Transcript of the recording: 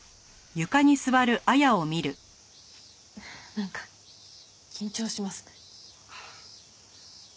なんか緊張しますね。